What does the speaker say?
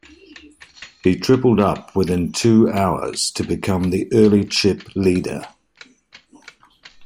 He tripled up within two hours to become the early chip leader.